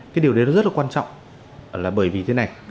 cái điều đấy nó rất là quan trọng là bởi vì thế này